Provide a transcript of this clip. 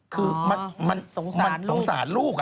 คือมันสงสารลูก